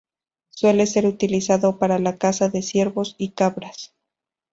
Suele ser utilizado para la caza de ciervos y cabras.